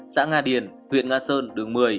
xã nga điền huyện nga sơn đường một mươi